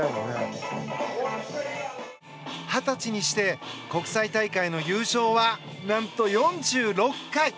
二十歳にして国際大会の優勝は何と４６回。